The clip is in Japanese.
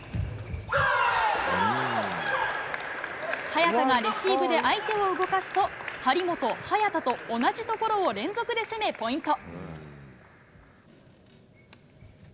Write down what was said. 早田がレシーブで相手を動かすと、張本、早田と、同じ所を連続で攻めポイント。